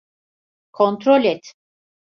Kontrol et.